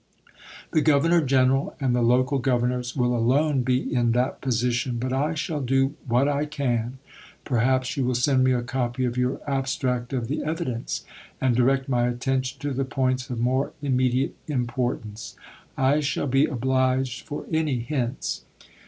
The Governor General and the local Governors will alone be in that position. But I shall do what I can. Perhaps you will send me a copy of your Abstract of the Evidence, and direct my attention to the points of more immediate importance. I shall be obliged for any hints."